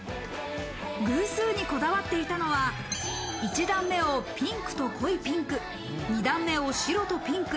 偶数にこだわっていたのは、１段目をピンクと濃いピンク、２段目を白とピンク。